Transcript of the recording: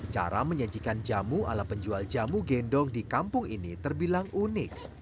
cara menyajikan jamu ala penjual jamu gendong di kampung ini terbilang unik